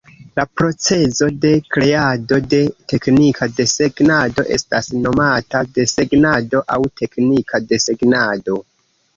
La procezo de kreado de teknika desegnado estas nomata desegnado aŭ teknika desegnado.